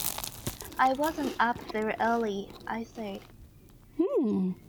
“I wasn't up very early,” I said.